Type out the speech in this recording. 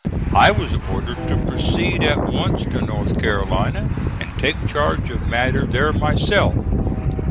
I was ordered to proceed at once to North Carolina and take charge of matter there myself.